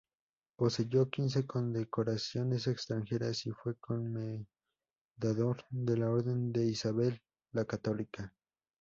Poseyó quince condecoraciones extranjeras y fue comendador de la Orden de Isabel la Católica.